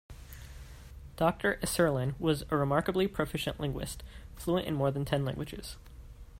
Doctor Isserlin was a remarkably proficient linguist, fluent in more than ten languages.